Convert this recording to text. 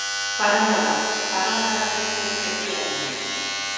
Parranda bat, parranda bat besterik ez diat nahi.